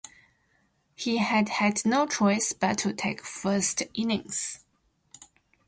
He had had no choice but to take first innings.